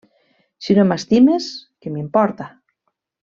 Si no m'estimes, què m'importa?